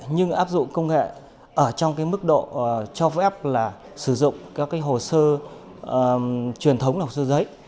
nhưng áp dụng công nghệ ở trong cái mức độ cho phép là sử dụng các hồ sơ truyền thống hồ sơ giấy